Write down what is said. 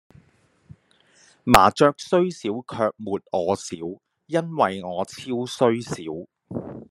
麻雀雖小卻沒我小，因為我超雖小